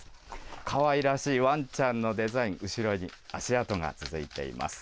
かわいらしいわんちゃんのデザイン、後ろに足跡が続いています。